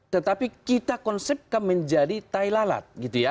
tetapi kita konsepkan menjadi tai lalat